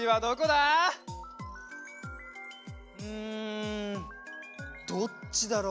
ああどっちだろう？